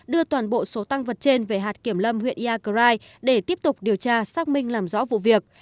đưa toàn bộ số tăng vật trên về hạt kiểm lâm huyện iagrai để tiếp tục điều tra xác minh làm rõ vụ việc